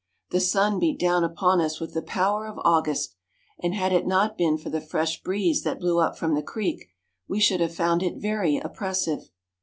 The sun beat down upon us with the power of August; and, had it not been for the fresh breeze that blew up from the creek, we should have found it very oppressive.